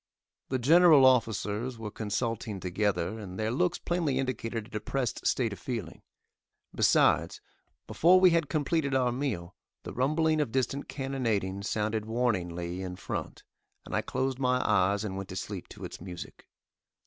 The general officers were consulting together, and their looks plainly indicated a depressed state of feeling; besides, before we had completed our meal the rumbling of distant cannonading sounded warningly in front, and I closed my eyes and went to sleep to its music.